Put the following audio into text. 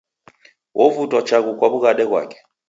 Wovutwa chaghu kwa wughade ghwake